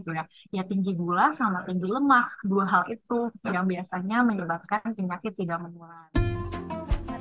ya tinggi gula sama tinggi lemak dua hal itu yang biasanya menyebabkan penyakit tidak menular